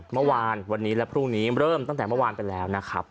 เมื่อวานวันนี้และพรุ่งนี้เริ่มตั้งแต่เมื่อวานไปแล้วนะครับ